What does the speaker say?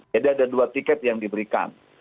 jadi ada dua tiket yang diberikan